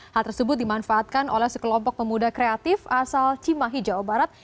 hal tersebut dimanfaatkan oleh sekelompok pemuda kreatif asal cimahi jawa barat